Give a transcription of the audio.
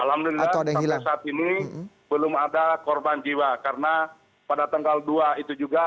alhamdulillah sampai saat ini belum ada korban jiwa karena pada tanggal dua itu juga